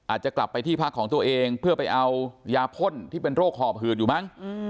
อาจจะกลับไปที่พักของตัวเองเพื่อไปเอายาพ่นที่เป็นโรคหอบหืดอยู่มั้ง